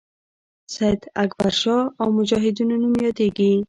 سید اکبرشاه او مجاهدینو نوم یادیږي.